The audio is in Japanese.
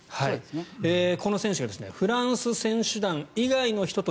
この選手がフランス選手団以外の人と